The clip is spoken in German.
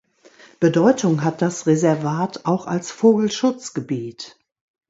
Bedeutung hat das Reservat auch als Vogelschutzgebiet.